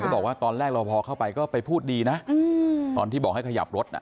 บอกว่าตอนแรกเราพอเข้าไปก็ไปพูดดีนะตอนที่บอกให้ขยับรถน่ะ